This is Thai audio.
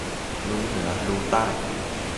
รู้เหนือรู้ใต้